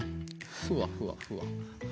ふわふわふわ。